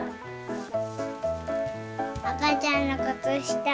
あかちゃんのくつした。